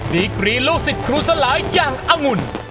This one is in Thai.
ดีกรีลูกศิษย์ครูสลายอย่างองุ่น